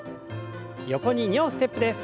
横に２歩ステップです。